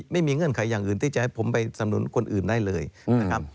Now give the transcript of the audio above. เงื่อนไขอย่างอื่นที่จะให้ผมไปสำนุนคนอื่นได้เลยนะครับ